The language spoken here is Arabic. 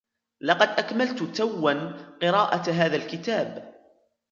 لقد اكملت توا قراءة هذا الكتاب.